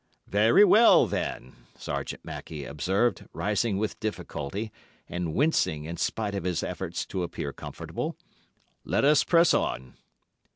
"Very well, then," Sergeant Mackay observed, rising with difficulty, and wincing in spite of his efforts to appear comfortable. "Let us press on."